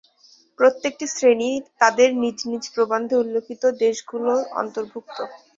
প্রত্যেকটি শ্রেণীর তাদের নিজ নিজ প্রবন্ধে উল্লিখিত দেশগুলোর অন্তর্ভুক্ত।